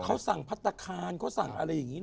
เขาสั่งพัฒนาคารเขาสั่งอะไรอย่างนี้เห